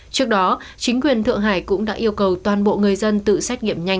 trước đó chính quyền thượng hải cũng đã yêu cầu toàn bộ người dân tự xét nghiệm nhanh